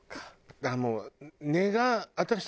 だからもう。